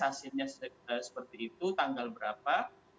hasilnya seperti itu tanggal berapa